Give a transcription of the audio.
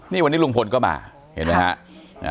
นี่วันนี้ลุงพลก็มาเห็นไหมฮะ